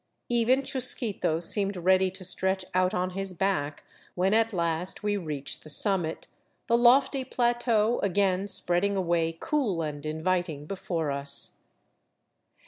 Even Chusquito seemed ready to stretch out on his back when at last we reached the summit, the lofty plateau again, spreading away cool and inviting before us.